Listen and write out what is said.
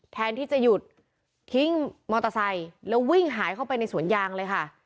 แทนที่จะหยุดทิ้งมอเตอร์ไซค์แล้ววิ่งหายเข้าไปในสวนยางเลยค่ะ